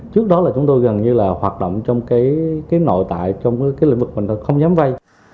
trước đó là chúng tôi gần như hoạt động trong nội tại trong lĩnh vực mình không dám vây